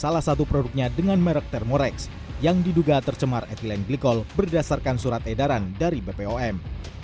salah satu produknya dengan merek thermorex yang diduga tercemar ethylene glycol berdasarkan surat edaran dari bpom